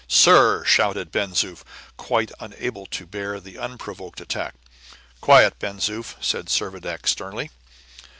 "Sir!" shouted Ben Zoof, quite unable to bear the unprovoked attack. "Quiet, Ben Zoof!" said Servadac sternly.